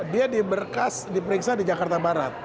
dia diberkas diperiksa di jakarta barat